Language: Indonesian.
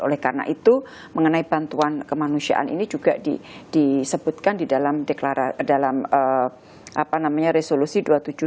oleh karena itu mengenai bantuan kemanusiaan ini juga disebutkan di dalam resolusi dua ratus tujuh puluh dua